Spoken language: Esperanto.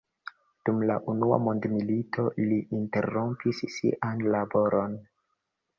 Dum la unua mondmilito li interrompis sian laboron.